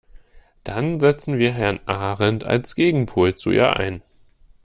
Dann setzen wir Herrn Ahrendt als Gegenpol zu ihr ein.